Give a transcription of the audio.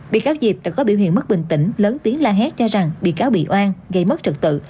bị cáo diệp đã có biểu hiện bất bình tĩnh lớn tiếng la hét cho rằng bị cáo bị oan gây mất trật tự